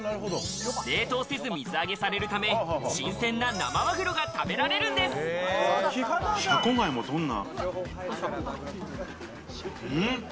冷凍せず水揚げされるため、新鮮な生マグロが食べられるんでシャコガイもどんな？